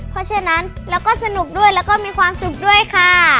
เพราะฉะนั้นแล้วก็สนุกด้วยแล้วก็มีความสุขด้วยค่ะ